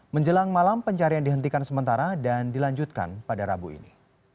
menjelang malam pencarian dihentikan sementara dan dilanjutkan pada rabu ini